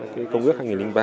cái công ước hai nghìn ba